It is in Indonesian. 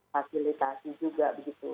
fasilitasi juga begitu